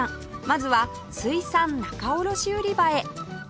まずは水産仲卸売場へ